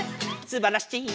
すばらしい！